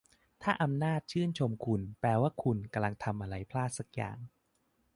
ถ้าอำนาจชื่นชมคุณ แปลว่าคุณกำลังทำอะไรพลาดสักอย่าง